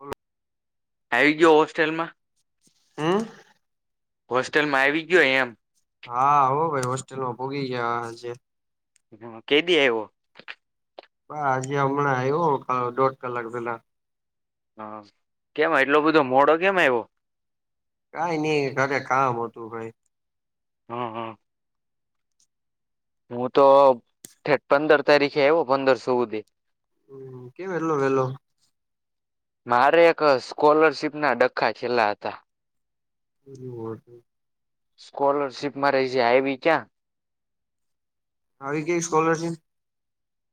All આવી ગયો હોસ્ટેલમાં હમ હોસ્ટેલમાં આવી ગયો એમ હા હોો ભાઈ હોસ્ટેલમાં ભોગી ગયાજે હ કે દ એવો હ આજે હમણાં આવ્યો દોઢ કલાક પેલા હા કેમ એટલો બધો મોડો કેમ એવો કઈ નઈ ઘરે કામ હતું ભાઈ હમ હમ હું તો પંદર તારીખે આવ્યો પંદરસધી હમ કેમ એેલો વેલો. મારે એક સ્કોલરશિપના ડખ્ખા છેલ્લા હતા. બ વા [unintelligible] સ્કોલરશિપમાં રહી છે આવી ક્યાં. આવી કેવી સ્કોલરશીપ.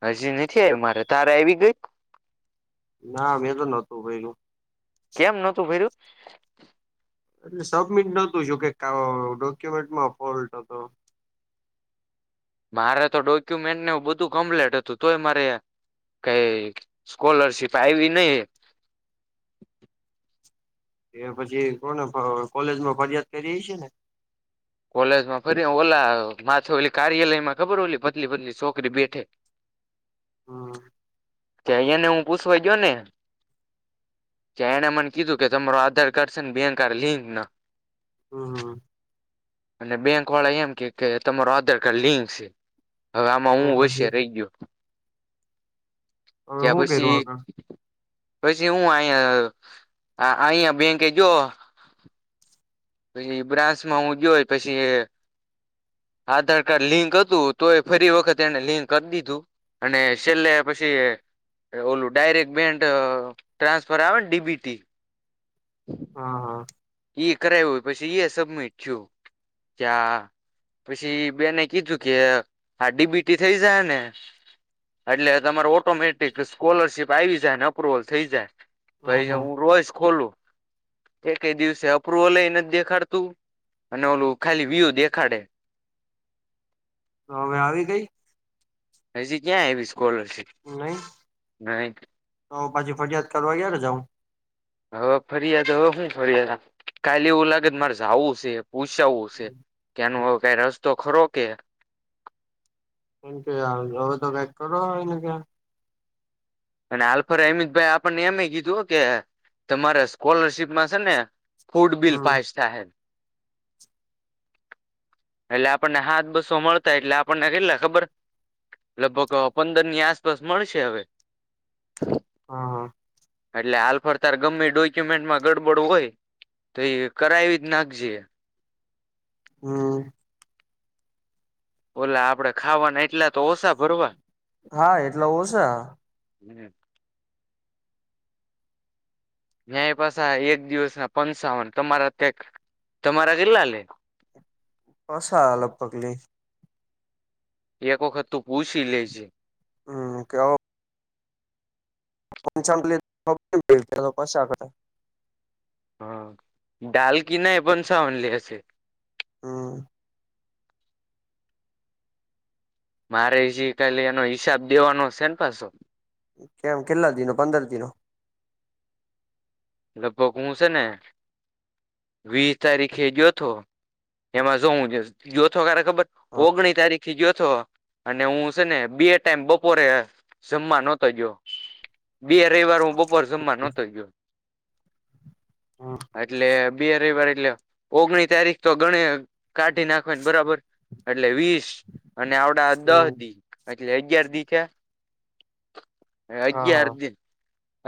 હજી નથી આવી મારે તારે આવી ગઈ. ના મેં તો નહોતું પેું કેમ નોતું ભાઈરું. એટલે સબમિટ નોતું જોકે ડોક્યુમેન્ટમાં ફોલ્ટ હતો. મારે તો ડોક્યુમેન્ટને બધું કમ્પ્લેટ હતું તોય મારે કઈ સ્કોલરશિપ આવી નહી. એ પછી કોને કોલેજમાં ફરિયાદ કરી છે ને. કોલેજમાં ફરી ઓલા માછ ઓલી કાર્યાલયમાં ખબર હોલી પત્ પત્ની છોકરી બેઠે. [unintelligible] હમ. કે અહીયા ને હું પૂછવાઈ ગયો ને. કે એણે મને કીધું કે તમારો આધાર કાર્ડ છે ને બેન કાર્ડ લિંક ના હમ હ. અને બેંક વાળા એમ કે કે તમારો આધાર કાર્ડ લિંક છે. હવે આમાં તો હું હશે પછી રહી ગયો. ત હવે શું કર્યું પછી આગળ પછી હું અયા અહયા બેંકે જો પછી ઈબ્રાન્સ માં હું જોયોય પછી એ આધાર કાર્ડ લિંક હતું તો એ ફરી વખત એને લિંક કરી દીધું અને છેલ્લે પછી ઓલું ડાયરેક્ટ બેંન્ટ ટ્રાન્સફર આવે ને ડીબીટી. હા હા. કરાવું હોય પછી એ સ મેછું ક્યા પછી બેને કીધું કે આ ડીબીટી થઈ જાયને એટલે તમાર ઓટોમેટિક સ્કોલરશીપ આવી જાય અપ્રુવલ થઈ જાય. ઓહ ક હું રોયશ ખોલું એક ક દિવસ પ અપ્રુવલ લઈને જ દેખાડતું અને ઓલું ખાલી વ્યુ દેખાડે. [unintelligible] તો હવે આવી ગઈ. હજી ક્યાં આવી સ્કોલરશીપ નહી ના. તો પછી ફરિયાદ કરવા ગયા જું હવે ફરિયાદ હવે હું ફરિયાદ કાલે એવું લાગે મારે જવું છે. પૂછાવવું છે કે આનું હવે કઈ રસ્તો ખરો કે. એમ કે હવે તો પેક કરો હોય ને ક્યાં. અને આલ્ફર અમિતભાઈ આપણને એમે કીધું કે તમારે સ્કોલરશીપમાં છે ને ફૂડ બીલ હમ પાસ થાહે એટલે આપણને હાથ બસો મળતા એટલે આપણને કેટલા ખબર લગભગ પંદરની આસપાસ મળશે હવે. હા હા. એટલે હાલફડતર ગમે ડોક્યુમેન્ટમાં ગડબડ હોય. તો એ કરાવી જ નાખજે. હ. [unintelligible] ઓલા આપડે ખાવાના એટલા તો ઓછા ભરવા. હા એટલે ઓછા હમ્મ. મે્યાં એ પાછા એક દિવસ ના પંસાવન તમારા ત્યાં તમારા કેટલા લે? કસઆ [unintelligible] લગભગ લેઇ. એક વખત તો પૂછી લેજે. હમ્મ કા [unintelligible] હા ડાલ કિ ના પણ પંચાવન લે હશે. [unintelligible] હમ્મ. [unintelligible] મારેજી કલી એનો હિસાબ દેવાનો સેન પાછો. કેમ કેટલા દિનો પંદર દીનો? લભોક [unintelligible] હું છે ને વીસ તારીખે જયોથો એમાં જો જયોથો કર ખબર ઓગણી તારીખ જોયોથો. અને હું છે. ને બે ટાઈમ બપોરે જમવા નહતો ગયો. બે રવિવાર હું બપોર જમવા નહતો ગયો. હમ એટલે બે રવિવાર એટલે ઓગણી તારીખ તો ગણી [unintelligible] કાઢી નાખવાને બરાબર એટલે વીસ અને આવડા દહ હમ દી એટલે [unintelligible] અગ્યયારધી [unintelligible] થિયા. [unintelligible] હા અગિયાર હા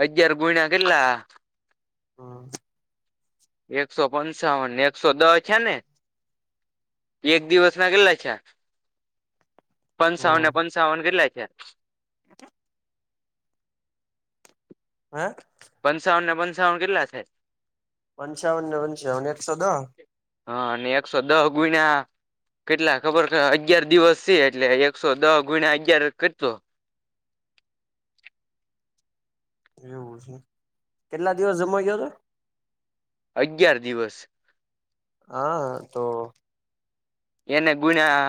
અગયાર ગુણ કેટલા હા. એકસો પંચાવન એકસો દ છે ને? એક દિવસ ના કેટલા થયા. પંસાવન હમ પંચાવન કેટલા થયા? હે! પંચાવન ને પંચાવન કેટલા થઈ? પંચાવન પંચાવન એકસો દહ. હા અને એકસો દહ ગુના કેટલા ખબર અગયાર દિવસ છે એટલે એકસો દહ ગુણા અગિયાર કરતો? [inaudible] એવું છે કેટલા દિવસ જમાઈ ગયો હતો? અગિયાર દિવસ. હા તો! એને ગુણ્યા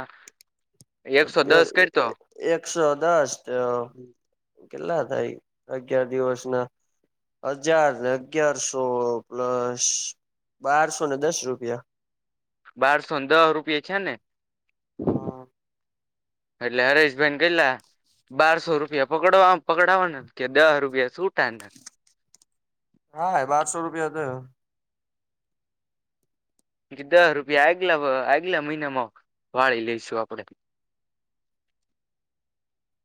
એકસો એક દસ કરતો એકસો દસ તો કેટલા થાય? અગિયાર દિવસ ના? હજાર અગિયારસો પ્લસ બારસો ને દસ રૂપિયા. બારસો દસ રૂપિએ છે ને રૂપિયા એટલે હરેશભાઈને કેટલા બારસો રૂપિયા પકડવા આમ. પકડવા ને કે દહ રૂપિયા છૂટાને હા, હૈ બારસો રૂપિયા થયા. દસ રૂપિયા આગલા-આગલા મહિનામાં વાળી લઈશું આપણેે. [unintelligible]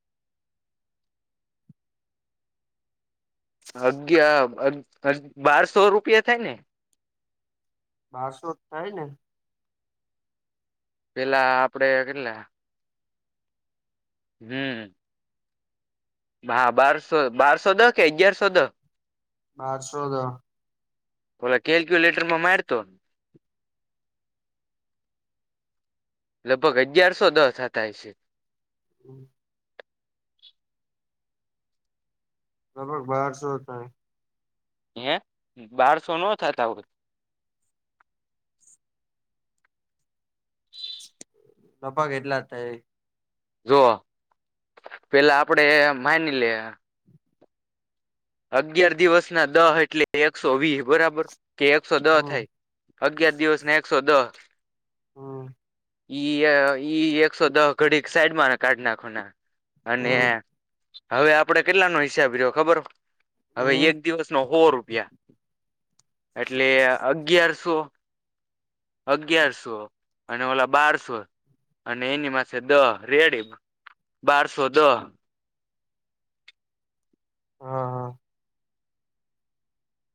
અગયા અગ અગ બારસો રૂપિયા થાય ને? બસો જ થાય ને. પેલા આપડે કેટલા હમ. હા, બારસો, બારસો દહ કે અગિયારસો દહ. બારસો દહ. ભલા કેલ્ક્યુલેટર માં મારતો. લગભગ અગિયારસો દ થતા હસે. હમ. લગભગ બહાર સો થાય. હે, બારસો ન થતા હોય. લગભગ એટલા જ થાય. જોઓ, પેલા આપડે માની લે અગિયાર દિવસ ના દહ એટલે એકસો વી, બરાબર કે એકસો દહ હમ થાય. અગિયાર દિવસ ને એકસો દસ. હમ. ઈ ઈ એકસો દસ ઘડી સાઈડમાં કાઢ નાખો ને અને હમ હવે આપડે કેટલા ન હિસાબ રહ્યો, ખબર? હવે, હમ એક દિવસ નો હો રૂપિયા એટલે અગિયાર સો અગિયારસો અને ઓલા બારસો. અને એની માસે દહ રેડી, બારસો દહ. હા હા.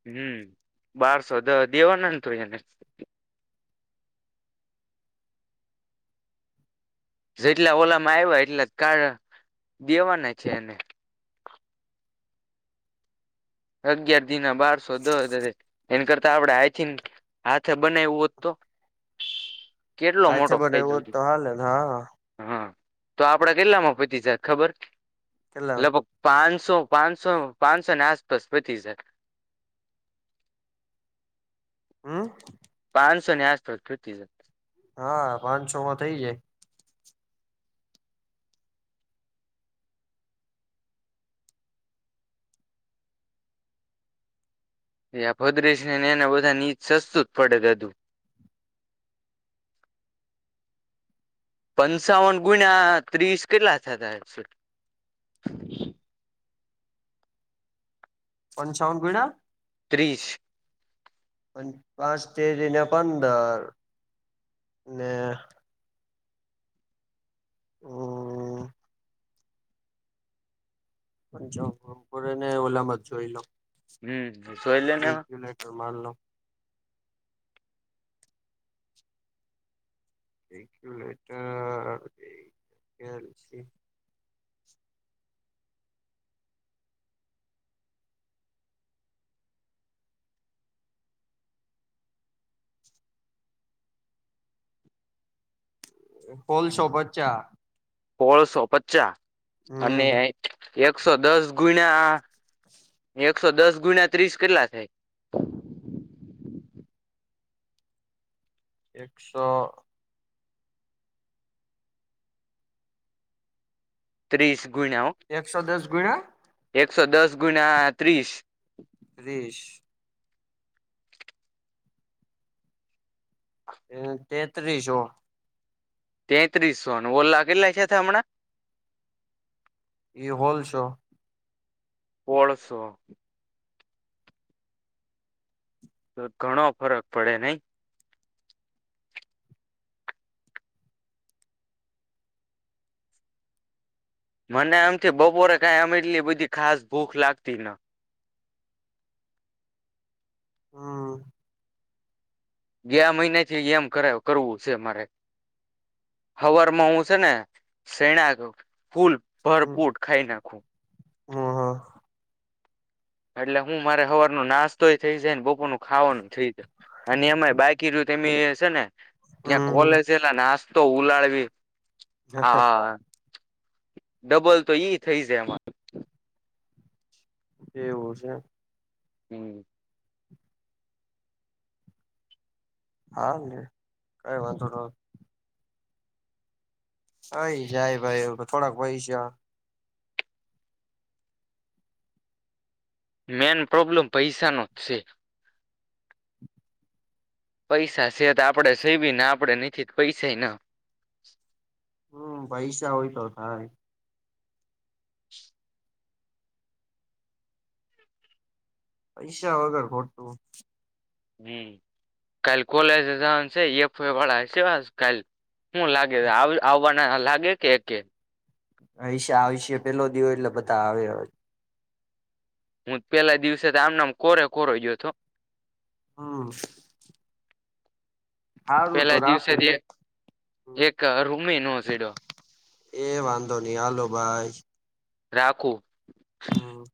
હમ, બારસો દ દેવાના તો એને. જેટલા ઓલામાં આવ્યા, એટલા કાર દેવાના છે એને અગિયાર દિ ના બારસો દ, એના કરતા આપડે આઈથીન હાથે બને એવું હોત તો. કેટલો આથે મોટો ફાયદો, બનાવ્યો તો હાલે ને હા હા. તો આપડા કેટલામાં પતી જતું, ખબર? કેટલા લગભગ પાંચ સો, પાંચસો, પાંચસો ને આસ આસપાસ પતી જાય. હમ. પાસો ને આસપાસ પતી જાય. હા, પાંચ છો માં થઇ જાય. એ ભદ્રશને એને બધા નીચા સસ્તું જ પડેધું. [unintelligible] પંચાવન ગુણ્યા ત્રીસ કેટલા થતા છે? પંચાવન ગુણ્યા. ત્રીસ પાંચ તેરી ને પંદર. ને. હમ. ને ઓલામાં જ જોઈ લો. હમ, શો એલેનેવા. મારલો. [unintelligible] પોલસો પાન્સા. સોળસો પચાસ અને એકસો દસ ગુણા. એકસો દસ ગુણ્યા ત્રીસ કેટલા થાય? એકસો ત્રીસ ગુણ્યા એકસો દસ ગુણા એકસો દસ ગુણ ત્રીસ ત્રીસ હ તેત્રીસો તેત્રીસો ઓલા કેટલા થયાંતા હમણાં. ઇ હોલ શો પોળસો તો ઘણો ફરક પડે નહી મને આમથી બપોરે કાઈ આમ એટલી બધી ખાસ ભૂખ લાગતી ને, હમ્મ ગયા મહિને છે, એમ કર કરવું છે મારે હવરમાં હું છે ને શેણાક ફૂલ હ ભરપૂર ખાઈ નાખું એટલે હું મારે હવાર નું નાશ તોય થઇ જાયને બપર નું ખાવાનું થઈ જ અને એમાં બાકી રયુ અમે સેને છ ને ત્યાં હમ કોલેલા તો ઉલાડવી હા, ડબલ તો ઈ થઇ જાય એમાં એવું છે, હમ્મ હા કઈ વાંધો ન અય જાય ભાઈ થોડાક પયસા છે મેન પ્રોબ્લેમ પૈસા નો જ છે, પૈસા છે, તો આપડે સ બી ના આપડે નથી પૈસા ન હમ્મ પૈસા હોય તો થાય [inaudible] પૈસા વગર ખોટું હમ્મ કાલ કોલે છે જાવાનુ છે એફ વાય વાણા હશે સે આસ કાલ, શું લાગે આવવાના લાગે કે કે હયશે આવશે પેલો દિવવો એટલે બધા આવે હું પેલા દિવસે તો આમ નામ કોરે કોરો ગયો હતો હમ્મ પેલા દિવસેથી એક રૂમિનો છેડો એ વાંધો નહી હાલો ભાઈ રાખું, હમ્મ